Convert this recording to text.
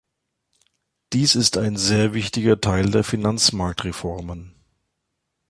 Dies ist ein sehr wichtiger Teil der Finanzmarktreformen.